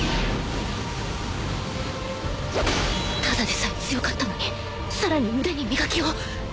ただでさえ強かったのに更に腕に磨きを。